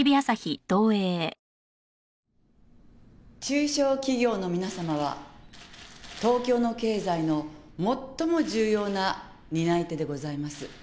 中小企業の皆様は東京の経済の最も重要な担い手でございます。